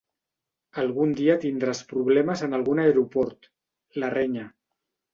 Algun dia tindràs problemes en algun aeroport —la renya.